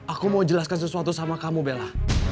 aku mau jelaskan sesuatu sama kamu bella